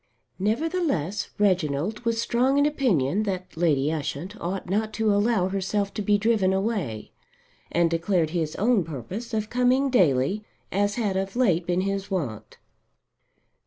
Nevertheless Reginald was strong in opinion that Lady Ushant ought not to allow herself to be driven away, and declared his own purpose of coming daily as had of late been his wont.